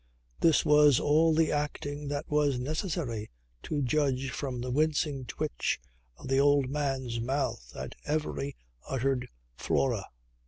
This was all the acting that was necessary to judge from the wincing twitch of the old man's mouth at every uttered "Flora."